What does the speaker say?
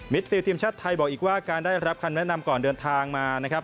มิดฟิลด์ทีมชัดไทยบอกอีกว่าการได้รับคันแนะนำก่อนเดินทางมา